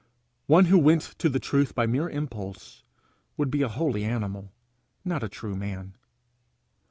One who went to the truth by mere impulse, would be a holy animal, not a true man.